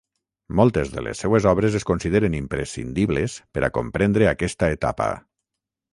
Moltes de les seues obres es consideren imprescindibles per a comprendre aquesta etapa.